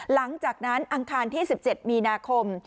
หลังจากนั้นอังคารที่๑๗มีนาคม